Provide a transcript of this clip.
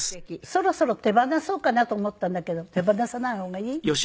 そろそろ手放そうかなと思ったんだけど手放さない方がいい？